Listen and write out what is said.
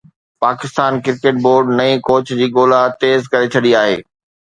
Pakistan cricket board نئين coach جي ڳولا تيز ڪري ڇڏي آهي